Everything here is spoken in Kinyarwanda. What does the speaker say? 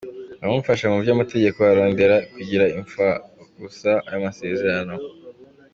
Abamufasha mu vy'amategeko barondera kugira impfagusa ayo masezerano.